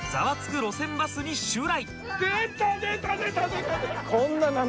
路線バス』に襲来！